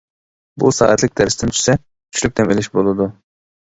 بۇ سائەتلىك دەرستىن چۈشسە چۈشلۈك دەم ئېلىش بولىدۇ.